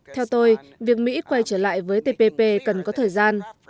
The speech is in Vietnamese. theo tôi việc mỹ quay trở lại với tpp cần có thời gian